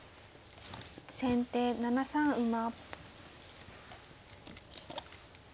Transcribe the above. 先手７三馬。